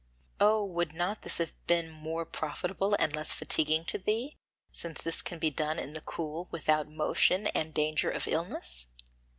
Oh! would not this have been more profitable and less fatiguing to thee, since this can be done in the cool without motion and danger of illness?